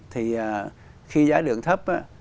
thì khi giá đường thấp